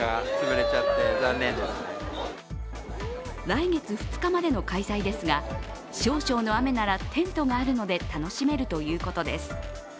来月２日までの開催ですが、少々の雨ならテントがあるので楽しめるということです。